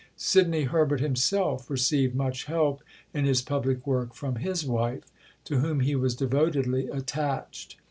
Sidney Herbert himself received much help in his public work from his wife, to whom he was devotedly attached.